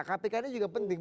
kpk ini juga penting